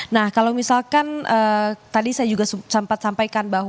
nah kalau misalkan tadi saya juga sempat sampaikan bahwa